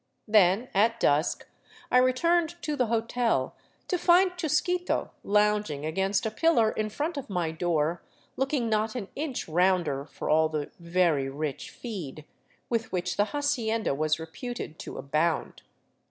Then at dusk I returned to the hotel, to find Chus quito lounging against a pillar in front of my door, looking not an inch rounder for all the " very rich feed '* with which the hacienda was reputed to abound.